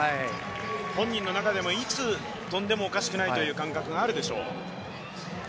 本人の中でもいつ跳んでもおかしくないというのがあるでしょう。